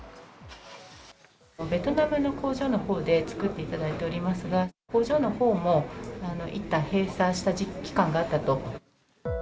ベトナムの工場のほうで作っていただいておりますが、工場のほうもいったん閉鎖した期間があったと。